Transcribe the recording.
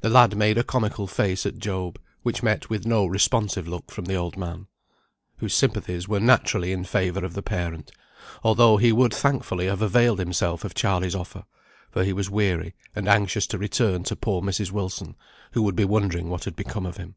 The lad made a comical face at Job, which met with no responsive look from the old man, whose sympathies were naturally in favour of the parent; although he would thankfully have availed himself of Charley's offer, for he was weary, and anxious to return to poor Mrs. Wilson, who would be wondering what had become of him.